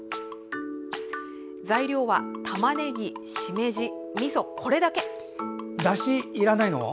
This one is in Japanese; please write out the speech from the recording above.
材料は、たまねぎ、しめじ、みそこれだけ！だし、いらないの？